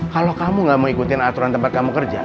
kalau kamu gak mau ikutin aturan tempat kamu kerja